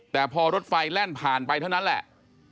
แต่พอรถไฟแล่นผ่านไปเท่านั้นแหละ